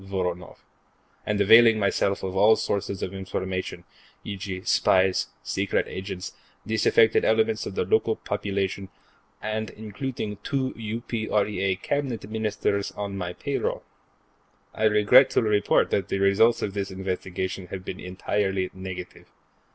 Voronoff, and availing myself of all sources of information, e.g., spies, secret agents, disaffected elements of the local population, and including two UPREA Cabinet Ministers on my payroll. I regret to report that results of this investigation have been entirely negative.